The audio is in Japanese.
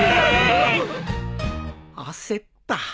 焦った。